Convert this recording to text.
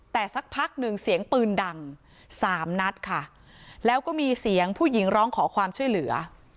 แต่สักพักหนึ่งเสียงปืนดังสามนัดค่ะแล้วก็มีเสียงผู้หญิงร้องขอความช่วยเหลือ